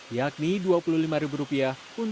yakni rp dua puluh lima untuk penggilingan